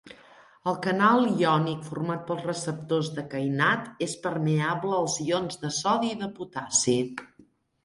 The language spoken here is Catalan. El canal iònic format pels receptors de kainat és permeable als ions de sodi i de potassi.